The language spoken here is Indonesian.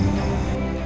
aku sudah menikah